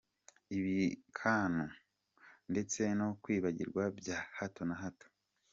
ibikanu, ndetse no kwibagirwa bya hato na hato.